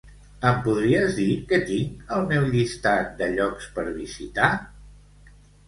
Em podries dir què tinc al meu llistat de llocs per visitar?